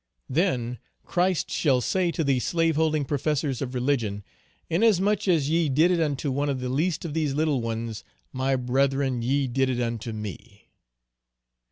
Then Christ shall say to the slaveholding professors of religion, "Inasmuch as ye did it unto one of the least of these little ones, my brethren, ye did it unto me."